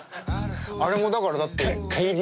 あれもだからだって。